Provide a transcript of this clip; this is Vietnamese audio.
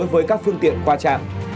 với các phương tiện qua trạm